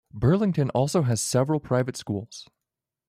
Burlington also has several private schools.